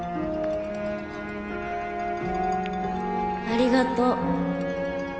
ありがとう。